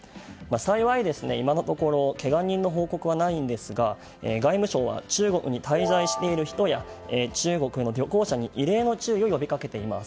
幸い、今のところけが人の報告はないんですが外務省は中国に滞在している人や中国の旅行者に異例の注意を呼びかけています。